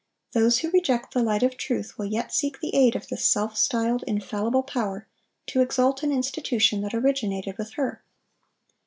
Those who reject the light of truth will yet seek the aid of this self styled infallible power to exalt an institution that originated with her.